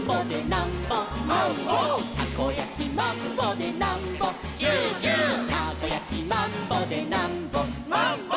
「たこやきマンボでなんぼチューチュー」「たこやきマンボでなんぼマンボ」